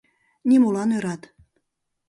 НИМОЛАН ӦРАТ